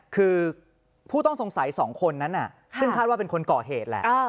คือผู้ต้องสงสัย๒คนนั้นซึ่งคาดว่าเป็นคนก่อเหตุแหละ